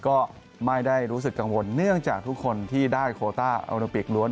ก็ไม่ได้รู้สึกกังวลเนื่องจากทุกคนที่ได้โคต้าโอลิมปิกล้วน